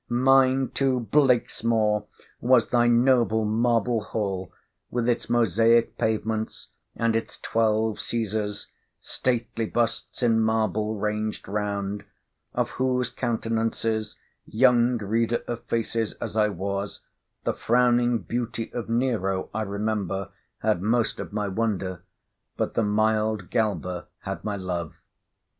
Mine too, BLAKESMOOR, was thy noble Marble Hall, with its mosaic pavements, and its Twelve Cæsars—stately busts in marble—ranged round: of whose countenances, young reader of faces as I was, the frowning beauty of Nero, I remember, had most of my wonder; but the mild Galba had my love.